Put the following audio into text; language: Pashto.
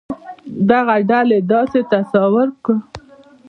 دغه ډلې داسې تصور کړو.